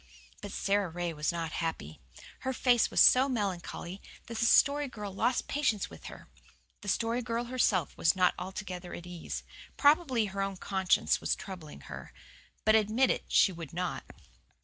But Sara Ray was not happy. Her face was so melancholy that the Story Girl lost patience with her. The Story Girl herself was not altogether at ease. Probably her own conscience was troubling her. But admit it she would not.